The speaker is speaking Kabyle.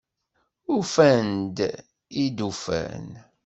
Ufan-d i d-ufan…